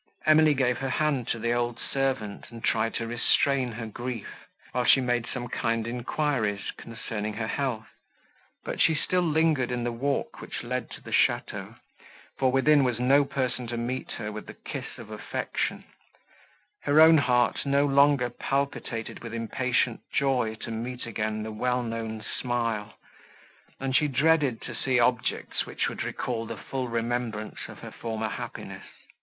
Emily gave her hand to the old servant, and tried to restrain her grief, while she made some kind enquiries concerning her health. But she still lingered in the walk which led to the château, for within was no person to meet her with the kiss of affection; her own heart no longer palpitated with impatient joy to meet again the well known smile, and she dreaded to see objects, which would recall the full remembrance of her former happiness.